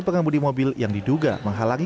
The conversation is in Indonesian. pengemudi mobil yang diduga menghalangi